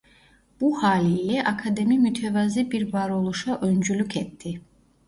Bu haliyle akademi mütevazi bir varoluşa öncülük etti.